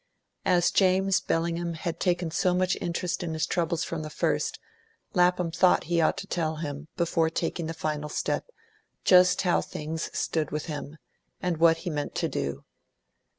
As James Bellingham had taken so much interest in his troubles from the first, Lapham thought he ought to tell him, before taking the final step, just how things stood with him, and what he meant to do.